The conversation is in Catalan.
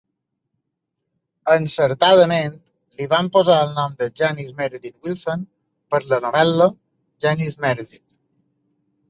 Encertadament, li van posar el nom de Janice Meredith Wilson per la novel·la "Janice Meredith".